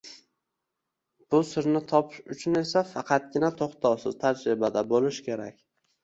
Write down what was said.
Bu sirni topish uchun esa faqatgina tõxtovsiz tajribada bõlish kerak